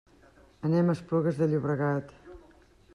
Anem a Esplugues de Llobregat.